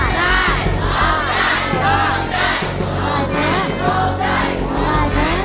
ร้องได้